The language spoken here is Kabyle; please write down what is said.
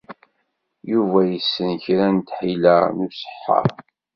Yuba yessen kra n tḥila n useḥḥer.